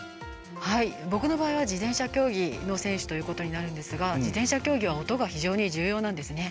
僕の場合は自転車競技の選手ということになるんですが自転車競技は非常に音が重要なんですね。